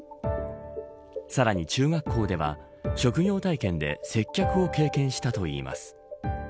さらに、中学校では職業体験で接客を経験したといいます。